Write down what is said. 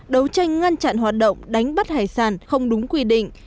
đấu tranh ngăn chặn hoạt động đánh bắt hải sản không đúng quy định